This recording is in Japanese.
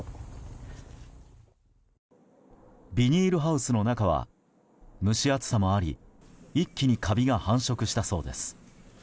ビニールハウスの中は蒸し暑さもあり一気にカビが繁殖したそうです。